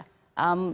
saya ingin tahu